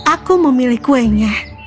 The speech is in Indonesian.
aku memilih kuenya